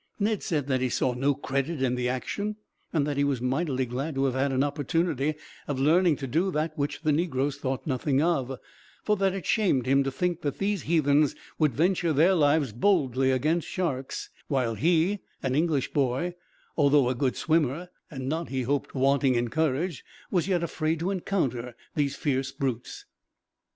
Ned said that he saw no credit in the action, and that he was mightily glad to have had an opportunity of learning to do that which the negroes thought nothing of; for that it shamed him to think that these heathens would venture their lives boldly against sharks, while he, an English boy, although a good swimmer, and not, he hoped, wanting in courage, was yet afraid to encounter these fierce brutes.